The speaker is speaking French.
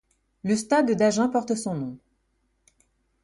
Le stade d'Agen porte son nom.